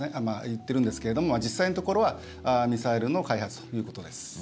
言ってるんですけれども実際のところはミサイルの開発ということです。